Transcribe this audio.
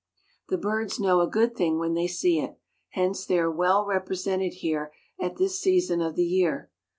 The birds know a good thing when they see it; hence they are well represented here at this season of the year.